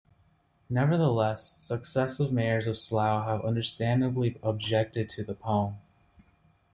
Nevertheless, successive mayors of Slough have understandably objected to the poem.